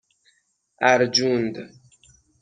اَرجوند